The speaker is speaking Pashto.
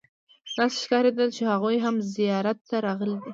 داسې ښکارېدل چې هغوی هم زیارت ته راغلي دي.